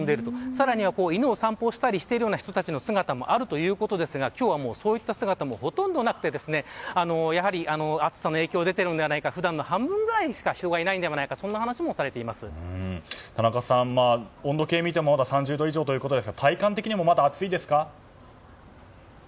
更には犬を散歩したりしているような人の姿もあるということですが今日はそういった姿もほとんどなくてやはり暑さの影響が出ているのではないか普段の半分程度しか人がいないのではないかという田中さん、温度計を見てもまだ３０度以上ということですがまだ体感的にも暑いですか？